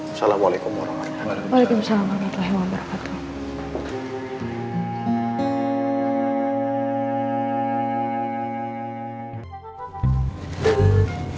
assalamualaikum warahmatullahi wabarakatuh